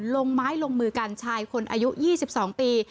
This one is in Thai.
ลงไม้ลงมือกันชายคนอายุ๒๒ปี